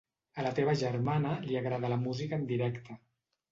A la teva germana li agrada la música en directe.